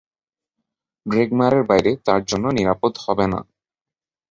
ড্রেগমারের বাইরে তার জন্য নিরাপদ হবে না।